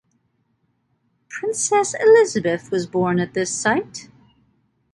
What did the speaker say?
Princess Elisabeth was born at the site.